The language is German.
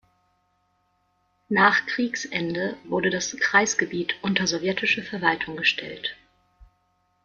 Nach Kriegsende wurde das Kreisgebiet unter sowjetische Verwaltung gestellt.